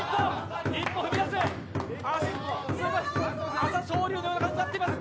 朝青龍のような顔になっています。